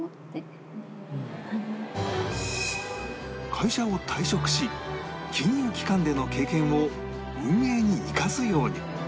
会社を退職し金融機関での経験を運営に生かすように